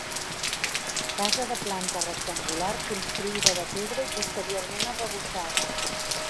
Casa de planta rectangular construïda de pedra i posteriorment arrebossada.